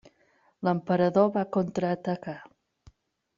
L'emperador va contraatacar.